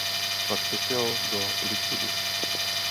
Pak přešel do Likudu.